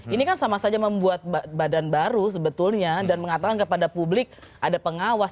ini kan sama saja membuat badan baru sebetulnya dan mengatakan kepada publik ada pengawas